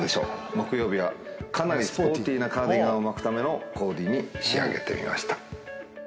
木曜日はかなりスポーティーなカーディガンを巻くためのコーデに仕上げてみました。